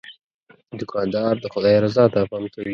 دوکاندار د خدای رضا ته پام کوي.